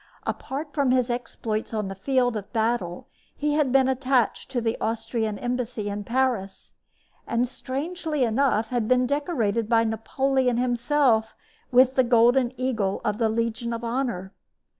Apart from his exploits on the field of battle he had been attached to the Austrian embassy in Paris, and, strangely enough, had been decorated by Napoleon himself with, the golden eagle of the Legion of Honor.